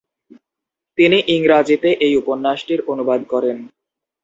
তিনিই ইংরাজীতে এই উপন্যাসটির অনুবাদ করেন।